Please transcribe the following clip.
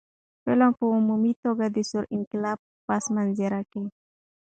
فلم په عمومي توګه د ثور انقلاب په پس منظر کښې